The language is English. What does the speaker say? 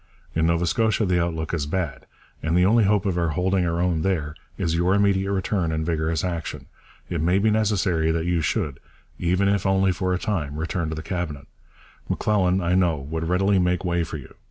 In Nova Scotia the outlook is bad, and the only hope of our holding our own there is your immediate return and vigorous action. It may be necessary that you should, even if only for a time, return to the Cabinet. M'Lelan, I know, would readily make way for you.